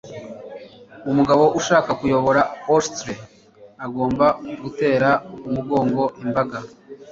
Umugabo ushaka kuyobora orchestre agomba gutera umugongo imbaga.